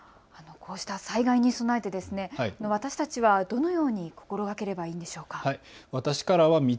こうした災害に備えて私たちはどのように心がければいいんでしょうか。